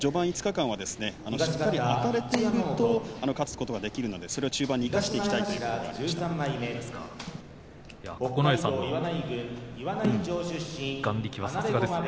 序盤５日間はあたれていると勝つことができるのでそれを中盤に生かしていきたいと九重さんの眼力はさすがですね。